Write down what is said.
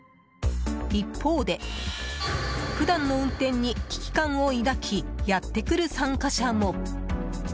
一方で普段の運転に危機感を抱きやってくる参加者も。